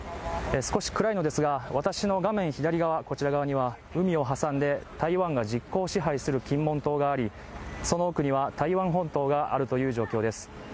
少し暗いのですが私の画面左側、こちら側には海を挟んで台湾が実効支配する、金門島がありその奥には台湾本島があるという状況です。